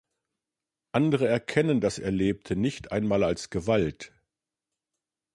Andere erkennen das Erlebte nicht einmal als Gewalt.